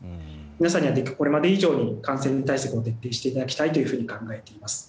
皆さんにはこれまで以上に感染対策を徹底していただきたいと考えています。